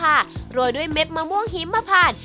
ลาซอสโหระผ่ารวยด้วยเม็ดมะม่วงหิมมาผ่าน